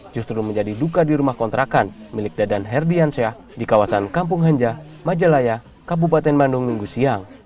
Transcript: justru menjadi duka di rumah kontrakan milik dadan herdiansyah di kawasan kampung hanja majalaya kabupaten bandung minggu siang